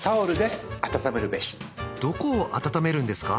どこを温めるんですか？